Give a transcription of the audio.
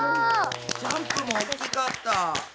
ジャンプも大きかった。